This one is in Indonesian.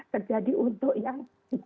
terjadi untuk yang di klinik